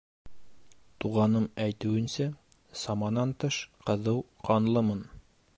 — Туғаным әйтеүенсә, саманан тыш ҡыҙыу ҡанлымын.